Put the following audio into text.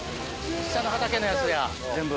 下の畑のやつや、全部。